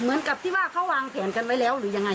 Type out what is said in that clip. เหมือนกับที่ว่าเขาวางแผนกันไว้แล้วหรือยังไง